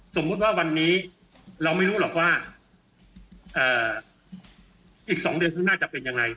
สมมุติว่าวันนี้เราไม่รู้หรอกว่าอีก๒เดือนข้างหน้าจะเป็นยังไง